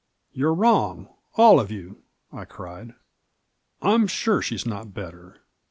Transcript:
"You're wrong — all of youl" I cried; "I'm sure she's not better.